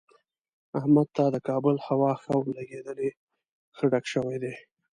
احمد ته د کابل هوا ښه ورلګېدلې، ښه ډک شوی دی.